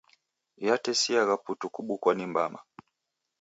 Yatesiagha putu kubukwa ni mbama.